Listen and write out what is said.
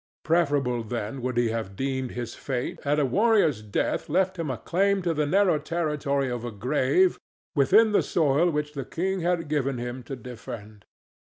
Preferable then would he have deemed his fate had a warrior's death left him a claim to the narrow territory of a grave within the soil which the king had given him to defend.